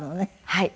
はい。